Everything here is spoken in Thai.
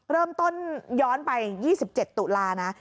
เริ่มต้นย้อนไป๒๗ตุลานะ